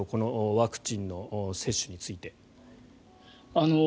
ワクチンの接種について。